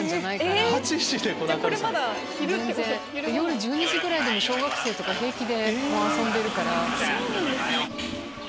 夜１２時ぐらいでも小学生とか平気で遊んでるから。